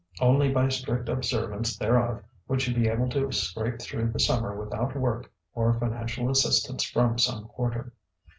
Only by strict observance thereof would she be able to scrape through the Summer without work or financial assistance from some quarter.